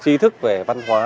chi thức về văn hóa